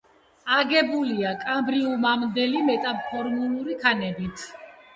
აგებულია კამბრიუმამდელი მეტამორფული ქანებით.